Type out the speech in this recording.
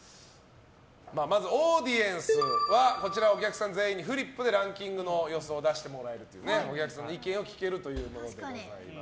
オーディエンスはお客さん全員にフリップでランキングの予想を出してもらえるというお客さんの意見を聞けるものでございます。